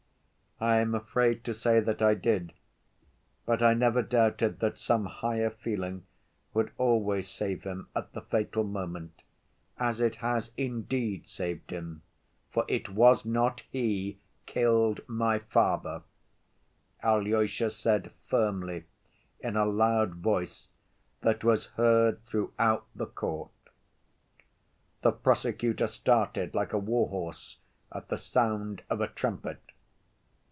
"I am afraid to say that I did. But I never doubted that some higher feeling would always save him at the fatal moment, as it has indeed saved him, for it was not he killed my father," Alyosha said firmly, in a loud voice that was heard throughout the court. The prosecutor started like a war‐horse at the sound of a trumpet.